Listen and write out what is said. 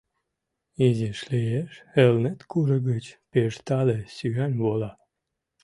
Изиш лиеш — Элнет курык гыч пеш тале сӱан вола...